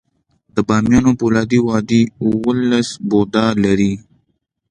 د بامیانو فولادي وادي اوولس بودا لري